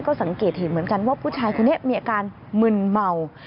ก็สังเกตเห็นเหมือนกันว่าผู้ชายคนนี้มีอาการมึนเมา